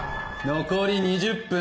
残り２０分。